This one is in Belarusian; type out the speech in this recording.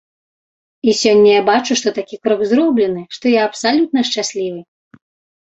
І сёння я бачу, што такі крок зроблены, што я абсалютна шчаслівы!